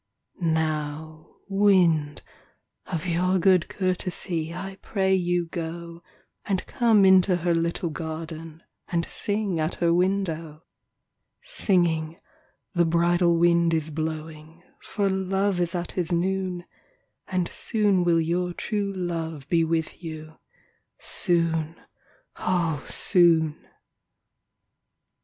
Now, wind, of your good courtesy I pray you go, And come into her little garden And sing at her window ; Singing : The bridal wind is blowing For Love is at his noon ; And soon will your true love be with you, Soon, O soon.